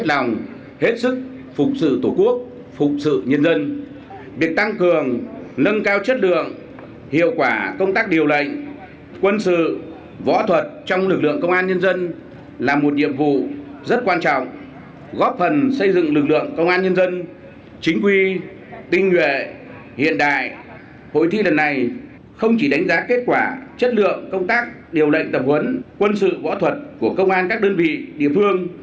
lần này không chỉ đánh giá kết quả chất lượng công tác tập huấn điều lệnh quân sự võ thuật của công an các đơn vị địa phương